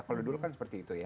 kalau dulu kan seperti itu ya